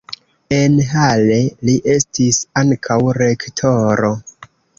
En Halle li estis ankaŭ rektoro.